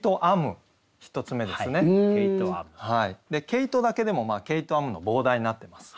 「毛糸」だけでも「毛糸編む」の傍題になってます。